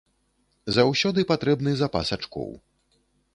Заўсёды патрэбны запас ачкоў.